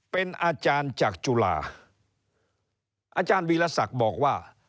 เป็นอาจารย์จากจุฬาอาจารย์วีรศักดิ์บอกว่า